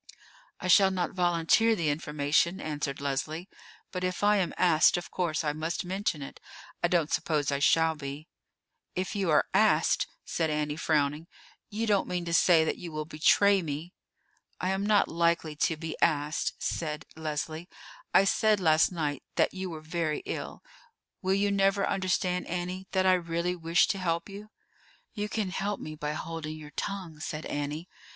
"I shall not volunteer the information," answered Leslie; "but if I am asked, of course I must mention it. I don't suppose I shall be." "If you are asked!" said Annie, frowning. "You don't mean to say that you will betray me?" "I am not likely to be asked," said Annie. "I said last night that you were very ill. Will you never understand, Annie, that I really wish to help you?" "You can help me by holding your tongue," said Annie.